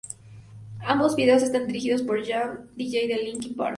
Ambos Videos están dirigidos por Joe Hahn, dj de Linkin Park.